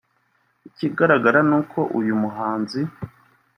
Ikigaragara ni uko uyu muhanzi